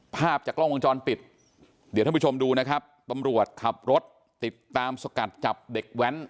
ภาพจากกล้องวงจรปิดเดี๋ยวท่านผู้ชมดูนะครับตำรวจขับรถติดตามสกัดจับเด็กแว้น